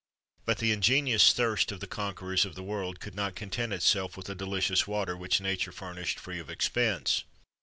[XXV 22] But the "ingenious thirst"[XXV 23] of the conquerors of the world could not content itself with a delicious water which nature furnished free of expense.